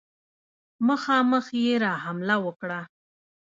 مخامخ یې را حمله وکړه.